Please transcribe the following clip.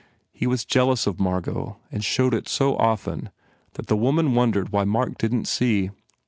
He was jealous of Margot and showed it so often that the woman wondered why Mark didn t see.